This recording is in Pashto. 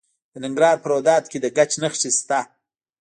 د ننګرهار په روداتو کې د ګچ نښې شته.